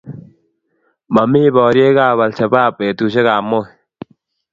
mamii boryekab Alshabaab betusiekab Moi